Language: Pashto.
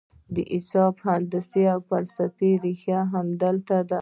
د حساب، هندسې او فلسفې رېښې همدلته دي.